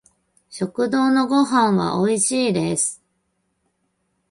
食堂のご飯は美味しいです